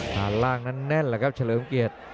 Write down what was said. ฐานล่างนั้นแน่นแหละครับเฉลิมเกียรติ